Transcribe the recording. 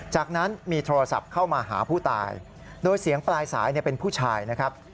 จากนั้นมีโทรศัพท์เข้ามาหาผู้ตายโดยเสียงปลายสายเป็นผู้ชายนะครับ